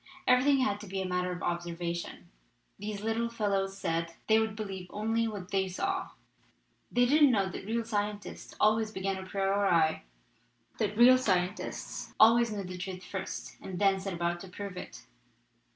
Every thing had to be a matter of observation, these little fellows said; they would believe only what they saw. They didn't know that real scientists al ways begin a priori, that real scientists always know the truth first and then set about to prove it.